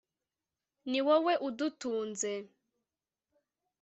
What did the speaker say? ni wowe udutunze